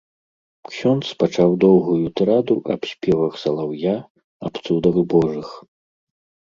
Ксёндз пачаў доўгую тыраду аб спевах салаўя, аб цудах божых.